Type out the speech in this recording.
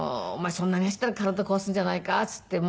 そんなに走ったら体壊すんじゃないか」っていって。